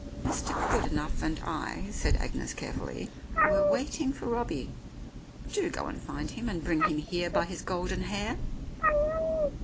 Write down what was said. " "Mr. Goodenough and I," said Agnes carefully, "were waiting for Robbie. Do go and find him and bring him here by his golden hair."